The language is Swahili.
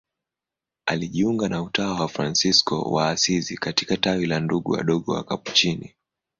Alijiunga na utawa wa Fransisko wa Asizi katika tawi la Ndugu Wadogo Wakapuchini.